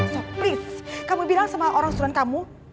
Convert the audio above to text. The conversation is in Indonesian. jadi tolonglah kamu bilang sama orang suruhan kamu